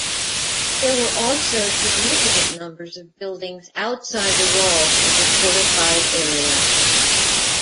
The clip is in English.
There were also significant numbers of buildings outside the walls of the fortified area.